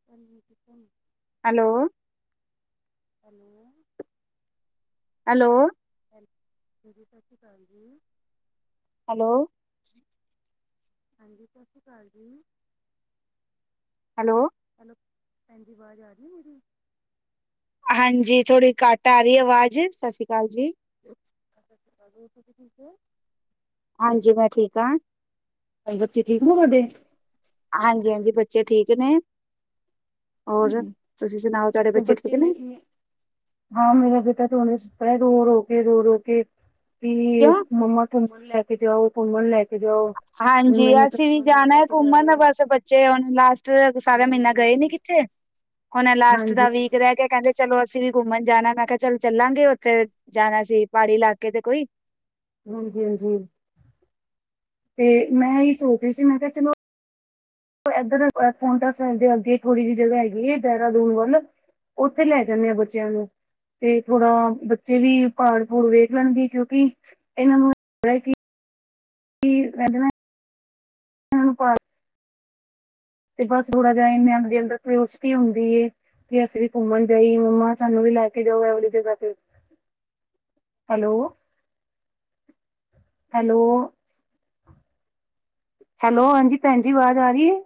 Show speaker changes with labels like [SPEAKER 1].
[SPEAKER 1] [inaudible]
[SPEAKER 2] Hello,
[SPEAKER 1] [inaudible]
[SPEAKER 2] hello,
[SPEAKER 1] ਹਜੇ ਤੱਕ ਤੇ ਕਰ ਗਏ।
[SPEAKER 2] ਹੈਲੋ,
[SPEAKER 1] ਹਾਂਜੀ। ਸਤਿ ਸ੍ਰੀ ਅਕਾਲ ਜੀ।
[SPEAKER 2] ਹੈਲੋ।
[SPEAKER 1] ਹੈਲੋ, ਭੈਣਜੀ ਆਵਾਜ਼ ਆ ਰਹੀ ਹੈ ਮੇਰੀ।
[SPEAKER 2] ਹਾਂਜੀ, ਥੋੜ੍ਹੀ ਘੱਟ ਆ ਰਹੀ ਆਵਾਜ਼। ਸਤਿ ਸ਼੍ਰੀ ਅਕਾਲ ਜੀ।
[SPEAKER 1] ਹੋਰ ਤੁਸੀ ਠੀਕ ਹੋ?
[SPEAKER 2] ਹਾਂਜੀ, ਮੈਂ ਠੀਕ ਹਾਂ।
[SPEAKER 1] ਭਈ ਬੱਚੇ ਠੀਕ ਆ ਤੁਹਾਡੇ।
[SPEAKER 2] ਹਾਂਜੀ- ਹਾਂਜੀ। ਬੱਚੇ ਠੀਕ ਨੇ। ਹੋਰ, ਤੁਸੀਂ ਸੁਣਾਓ ਤੁਹਾਡੇ ਬੱਚੇ ਠੀਕ ਨੇ?
[SPEAKER 1] ਹਾਂ, ਮੇਰਾ ਬੇਟ ਤ ਸੁਤਾ। ਰੋ ਰੋ ਕੇ, ਰੋ ਰੋ ਕੇ। ਵੀ
[SPEAKER 2] ਕਿਉਂ?
[SPEAKER 1] ਮੰਮਾ ਘੁਮਣ ਲੈ ਕੇ ਜਾਓ, ਘੁਮਣ ਲੈ ਕੇ ਜਾਓ।
[SPEAKER 2] ਹਾਂਜੀ।
[SPEAKER 1] ਮੈਨੂੰ ਤਾਂ
[SPEAKER 2] ਅਸੀਂ ਵੀ
[SPEAKER 1] ਨਹੀਂ
[SPEAKER 2] ਜਾਣਾ
[SPEAKER 1] ਲੈ
[SPEAKER 2] ਹੈ
[SPEAKER 1] ਕੇ ਜਾ ਰਹੇ
[SPEAKER 2] ਘੁੰਮਣ
[SPEAKER 1] ਹਾਂਜੀ
[SPEAKER 2] ਬਸ ਬੱਚੇ ਹੁਣ ਲਾਸਟ ਸਾਰਾ
[SPEAKER 1] ਹਾਂਜੀ
[SPEAKER 2] ਮਹੀਨਾ ਗਏ
[SPEAKER 1] ਹਾਂਜੀ
[SPEAKER 2] ਨੀ ਕਿੱਥੇ। ਹੁਣ ਲਾਸਟ ਦਾ
[SPEAKER 1] ਹਾਂਜੀ
[SPEAKER 2] ਵੀਕ
[SPEAKER 1] ਹਾਂਜੀ
[SPEAKER 2] ਰਹਿ ਕੇ ਕਹਿੰਦੇ ਚਲੋ ਅਸੀਂ ਵੀ ਘੁੰਮਣ ਜਾਣਾ ਮੈਂ ਕਿਹਾ ਚਲ ਚੱਲਾਂਗੇ ਉੱਥੇ ਜਾਣਾ ਸੀ ਪਹਾੜੀ ਇਲਾਕੇ ਤੇ ਕੋਈ।
[SPEAKER 1] ਹਾਂਜੀ- ਹਾਂਜੀ। ਤੇ ਮੈਂ ਇਹੀ ਸੋਚ ਰਹੀ ਸੀ ਮੈਂ ਕਿਹਾ ਚਲੋ। ਇਧਰ ਪੋਨਟਾ ਸਹਿਬ ਅੱਗੇ ਥੋੜੀ ਜਿਹੀ ਜਗ੍ਹਾ ਹੈਗੀ ਦੇਹਿਹਰਾਦੂਨ ਵੱਲ। ਉੱਥੇ ਲੈ ਜਾਂਦੇ ਆਲ ਬੱਚਿਆਂ ਨੂੰ। ਤੇ ਥੋੜਾ ਬੱਚੇ ਵੀ ਪੜ- ਪੂੜ ਵੇਖ ਲੈਣਗੇ ਕਿਉਂਕਿ ਇਹਨਾਂ ਨੂੰ ਲਦਾ ਕਿ ਕੀ [unintelligible] ਹੂ, ਪਾਰਕ ਤੇ ਬਸ ਥੋੜਾ ਜਿਹਾ ਦੇ ਅੰਦਰ ਕੋਸਟੀ ਹੁੰਦੀ ਏ। ਕਿ ਅਸੀਂ ਵੀ ਘੁੰਮਣ ਜਾਈ ਮੰਮਾ ਸਾਨੂੰ ਵੀ ਲੈ ਕੇ ਜਾਓ ਇਹੋਲੀ ਜਗ੍ਹਾ ਤੇ। ਹੈਲੋ, ਹੈਲੋ, ਹੈਲੋ, ਹਾਂਜੀ ਭੈਣ ਜੀ ਆਵਾਜ਼ ਆ ਰਹੀ ਹੈ।